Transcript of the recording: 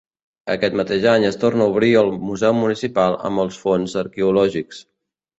Aquest mateix any es torna a obrir el Museu Municipal amb els fons arqueològics.